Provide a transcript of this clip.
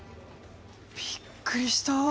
びっくりした。